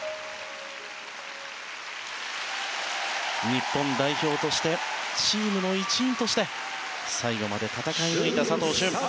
日本代表としてチームの一員として最後まで戦い抜いた佐藤駿。